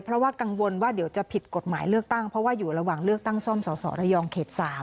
เพราะว่ากังวลว่าเดี๋ยวจะผิดกฎหมายเลือกตั้งเพราะว่าอยู่ระหว่างเลือกตั้งซ่อมสสระยองเขต๓